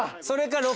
それか。